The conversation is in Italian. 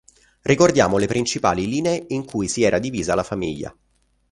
Ricordiamo le principali linee in cui si era divisa la famiglia.